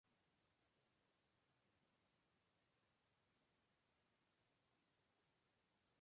El nombre de la compañía se debe a varias cuestiones.